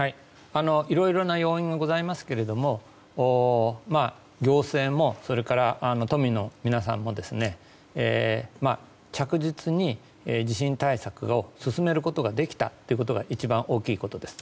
いろいろな要因がございますが行政もそれから都民の皆さんも着実に地震対策を進めることができたということが一番大きいことです。